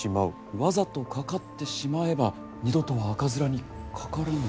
わざとかかってしまえば二度とは赤面にかからぬ。